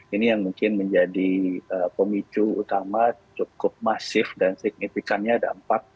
ini yang mungkin menjadi pemicu utama cukup masif dan signifikannya dampak